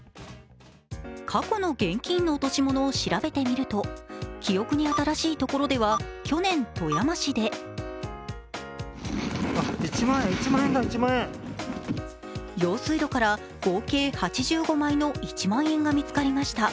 過去の現金の落とし物を調べてみると、記憶に新しいところでは去年、富山市で用水路から合計８５枚の一万円が見つかりました。